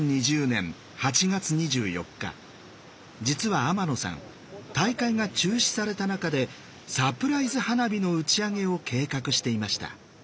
実は天野さん大会が中止された中でサプライズ花火の打ち上げを計画していました。